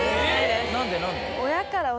何で何で？